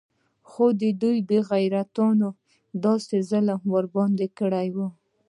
خو دې بې غيرتانو داسې ظلم ورباندې کړى و.